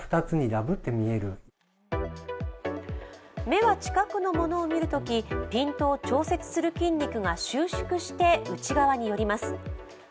目は近くのものを見るときピントを調節する筋肉が収縮して内側に寄ります。